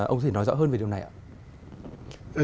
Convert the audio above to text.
ông thị nói rõ hơn về điều này ạ